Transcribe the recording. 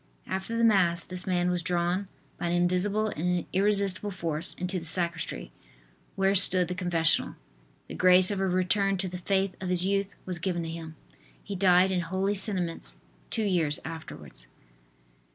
After the Mass this man was drawn by an invisible and irresistible force into the sacristy, where stood the confessional. The grace of a return to the faith of his youth was given to him. He died in holy sentiments two years afterwards.